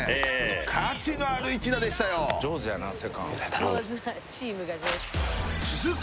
価値のある１打でしたよ続く